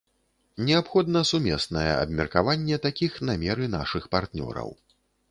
Неабходна сумеснае абмеркаванне такіх намеры нашых партнёраў.